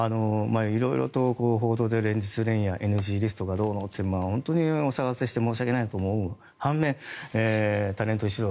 色々と報道で連日連夜ＮＧリストがどうのと本当にお騒がせして申し訳ないと思う半面タレント一同